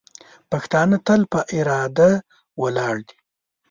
پښتانه تل په اراده ولاړ دي.